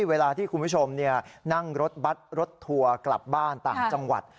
เวลาที่คุณผู้ชมนั่งรถบัตรรถทัวร์กลับบ้านต่างจังหวัด